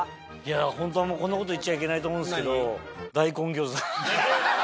ホントはこんなこと言っちゃいけないと思うんですけど。